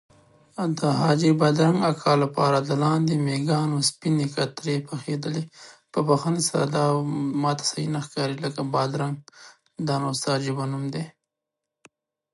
د حاجي بادرنګ اکا لپاره د لاندې مږانو سپینې کترې پخېدلې.